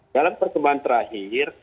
dalam pertemuan terakhir